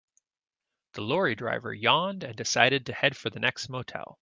The lorry driver yawned and decided to head for the next motel.